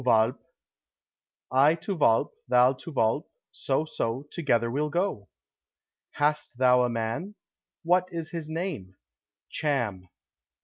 "To Walpe." "I to Walpe, thou to Walpe, so, so, together we'll go." "Hast thou a man? What is his name?" "Cham."